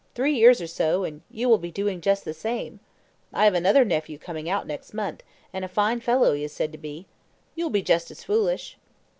three years or so, and you will be doing just the same. I have another nephew coming out next month, and a fine fellow he is said to be. You'll be just as foolish.'